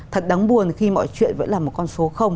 thật đáng buồn khi mọi chuyện vẫn là một con số